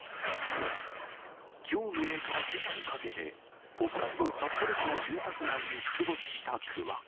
きょう未明からけさにかけて、北海道札幌市の住宅街に出没したクマ。